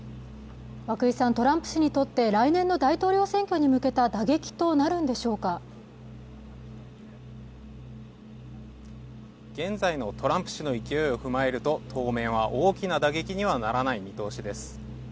トランプ氏にとって来年の大統領選挙に向けた打撃となるんでしょうか現在のトランプ氏の勢いを踏まえると当面は大きな打撃にはならない見通しです